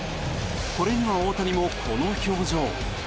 これには大谷も、この表情。